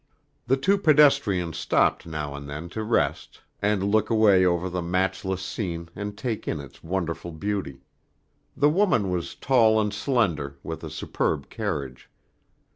The two pedestrians stopped now and then to rest and look away over the matchless scene and take in its wonderful beauty. The woman was tall and slender, with a superb carriage.